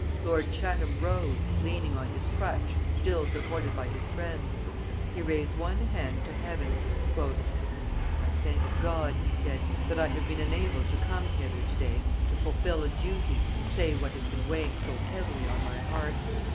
Lord Chatham rose, leaning on his crutch and still supported by his friends. He raised one hand to heaven. "I thank God," he said, "that I have been enabled to come hither to day to fulfil a duty and say what has been weighing so heavily on my heart.